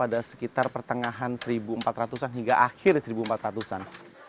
dari satu empat ratus an hingga akhir satu empat ratus an